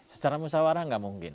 secara musawarah tidak mungkin